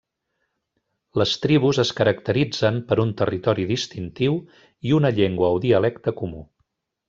Les tribus es caracteritzen per un territori distintiu i una llengua o dialecte comú.